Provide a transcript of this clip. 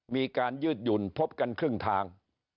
มีการยืดหยุ่นพบกันครึ่งทาง